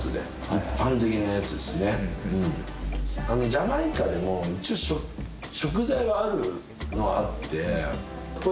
ジャマイカでも一応食材はあるのはあって。